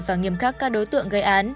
và nghiêm khắc các đối tượng gây án